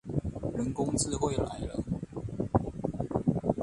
人工智慧來了